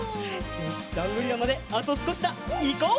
よしジャングリラまであとすこしだいこう！